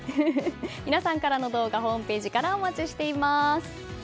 皆さんからの動画ホームページからお待ちしています。